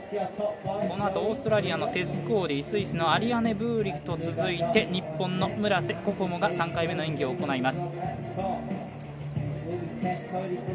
このあとオーストラリアのテス・コーディスイスのアリアネ・ブーリと続いて日本の村瀬心椛が３回目の演技を行います。